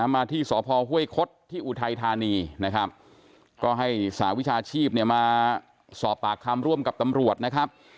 มาที่สพห้วยคดที่อุทัยธานีนะครับก็ให้สหวิชาชีพเนี่ยมาสอบปากคำร่วมกับตำรวจนะครับ